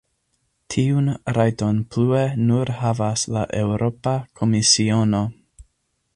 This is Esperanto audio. Tiun rajton plue nur havas la Eŭropa Komisiono.